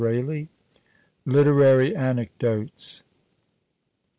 " LITERARY ANECDOTES.